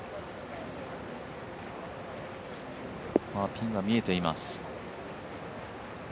ピンが見えています。